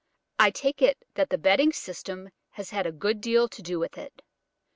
I take it that the bedding system has had a good deal to do with it.